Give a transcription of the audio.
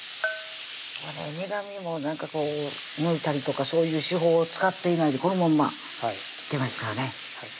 苦みも抜いたりとかそういう手法を使っていないでこのまんまいってますからね